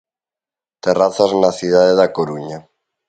Terrazas na cidade da Coruña.